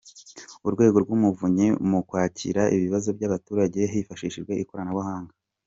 Urwego rw’Umuvunyi mu kwakira ibibazo by’abaturage hifashishijwe ikoranabuhanga